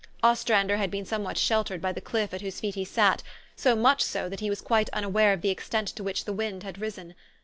Ostrander had been somewhat sheltered by the cliff at whose feet he sat ; so much so, that he was quite unaware of the extent to which the wind had risen.